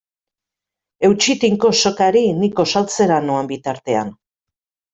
Eutsi tinko sokari ni gosaltzera noan bitartean.